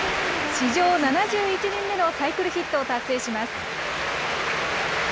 史上７１人目のサイクルヒットを達成します。